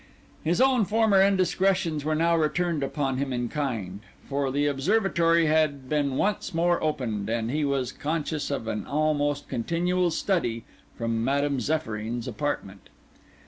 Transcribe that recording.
His own former indiscretions were now returned upon him in kind; for the observatory had been once more opened, and he was conscious of an almost continual study from Madame Zéphyrine's apartment.